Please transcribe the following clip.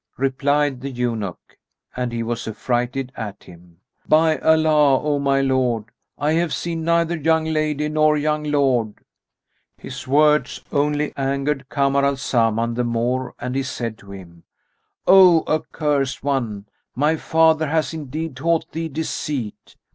Replied the eunuch (and he was affrighted at him), "By Allah, O my lord, I have seen neither young lady nor young lord!" His words only angered Kamar al Zaman the more and he said to him, "O accursed one, my father hath indeed taught thee deceit!